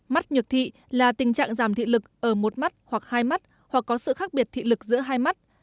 mắt nhược thị là tình trạng giảm thị lực ở một mắt hoặc hai mắt hoặc có sự khác biệt thị lực giữa hai mắt